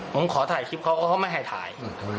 ผมขอถ่ายคลิปเขาก็เขาไม่ให้ถ่าย